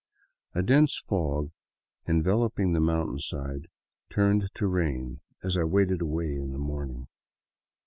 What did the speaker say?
A dense fog enveloping the mountainside turned to rain as I waded away in the morning.